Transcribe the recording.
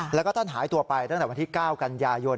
แล้วก็ท่านหายตัวไปตั้งแต่วันที่๙กันยายน